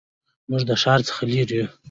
موږ د ښار څخه لرې یو